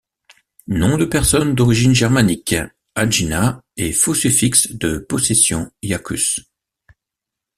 Nom de personne d’origine germanique Agina et faux suffixe de possession iacus.